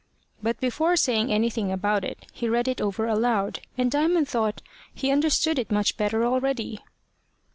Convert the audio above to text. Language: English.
But before saying anything about it, he read it over aloud, and Diamond thought he understood it much better already.